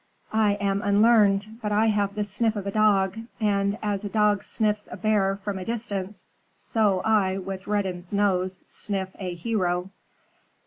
I am unlearned, but I have the sniff of a dog; and, as a dog sniffs a bear from a distance; so I with reddened nose sniff a hero.